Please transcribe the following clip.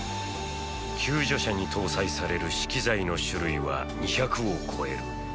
救助車に搭載される資器材の種類は２００を超える！